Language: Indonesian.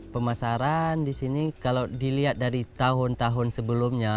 pemasaran di sini kalau dilihat dari tahun tahun sebelumnya